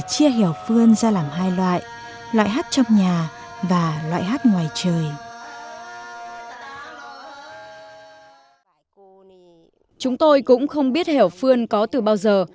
chúng tôi cũng không biết hẻo phương có từ bao giờ